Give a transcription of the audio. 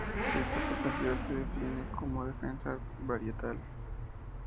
Esta capacidad se define como "defensa varietal".